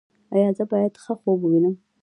ایا زه باید ښه خوب ووینم؟